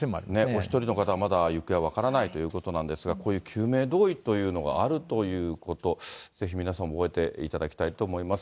お１人の方はまだ行方は分からないということなんですが、こういう救命胴衣というものがあるということ、ぜひ皆さんも覚えていただきたいと思います。